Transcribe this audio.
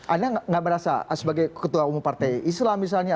anda nggak merasa sebagai ketua umum partai islam misalnya